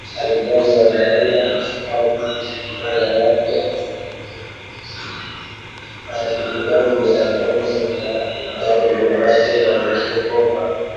Halliday anaenda dayi hela yake waliokopa